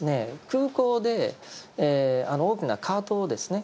空港で大きなカートをですね